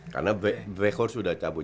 karena vechor sudah cabut